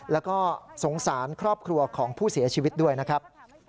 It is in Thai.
แล้วก็สงสารครอบครัวของผู้เสียชีวิตด้วยนะครับ